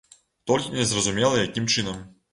Толькі незразумела, якім чынам.